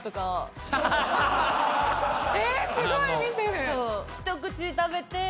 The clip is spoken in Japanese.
えすごい見てる。